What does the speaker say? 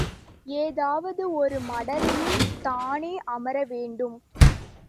ஏதாவது ஒரு மடலில் தானே அமர வேண்டும்!